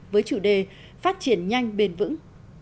với chủ đề phát triển nhanh bền vững